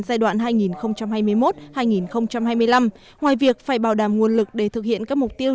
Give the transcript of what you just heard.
giai đoạn hai nghìn hai mươi một hai nghìn hai mươi năm ngoài việc phải bảo đảm nguồn lực để thực hiện các mục tiêu